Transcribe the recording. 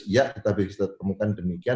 ya kita bisa temukan demikian